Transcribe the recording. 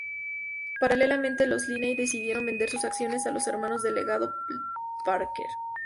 Paralelamente los Lindley decidieron vender sus acciones a los hermanos Delgado Parker.